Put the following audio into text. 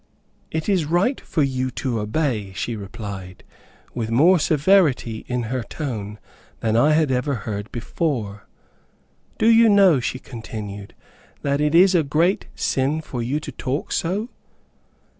"It is right for you to obey," she replied, with more severity in her tone than I ever heard before. "Do you know," she continued, "that it is a great sin for you to talk so?"